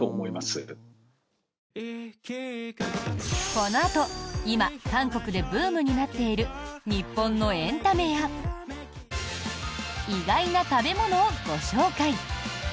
このあと今、韓国でブームになっている日本のエンタメや意外な食べ物をご紹介！